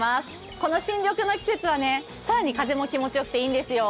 この新緑の季節は更に風も気持ちよくていいんですよ。